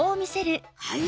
はい？